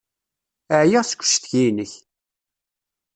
Ɛyiɣ seg ucetki-inek.